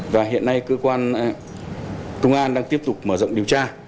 và hiện nay cơ quan công an đang tiếp tục mở rộng điều tra